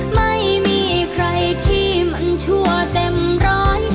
ไม่มีใครที่มันชั่วเต็มร้อย